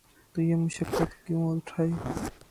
تو یہ مشقت کیوں اٹھائی؟